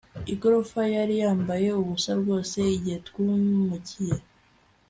Igorofa yari yambaye ubusa rwose igihe twimukiye